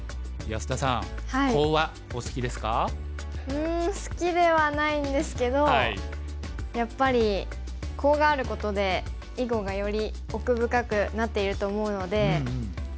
うん好きではないんですけどやっぱりコウがあることで囲碁がより奥深くなっていると思うので。